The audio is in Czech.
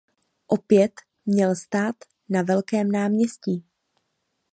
Opět měl stát na Velkém náměstí.